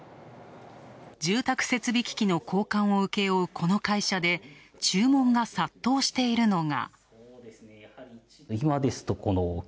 住宅設備機器の交換を請け負うこの会社で、注文が殺到しているのが。